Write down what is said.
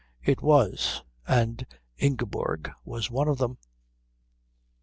It was; and Ingeborg was one of them.